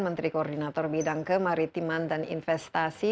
menteri koordinator bidang kemaritiman dan investasi